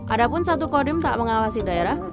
adapun satu kodim tak mengawasi daerah